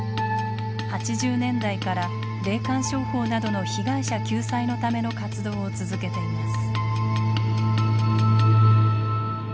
８０年代から霊感商法などの被害者救済のための活動を続けています。